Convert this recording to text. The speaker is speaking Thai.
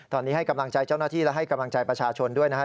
ตอนนี้ให้กำลังใจเจ้าหน้าที่และให้กำลังใจประชาชนด้วยนะครับ